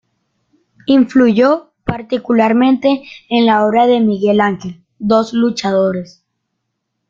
Influyó particularmente en la obra de Miguel Ángel "Dos luchadores".